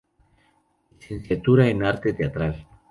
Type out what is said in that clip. Licenciatura en Arte teatral.